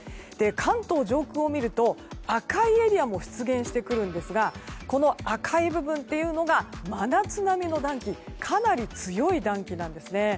関東上空を見ると赤いエリアも出現してくるんですがこの赤い部分というのが真夏並みの暖気かなり強い暖気なんですね。